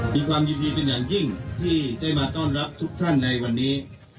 มีความยินดีเป็นอย่างยิ่งที่ได้มาต้อนรับทุกท่านในวันนี้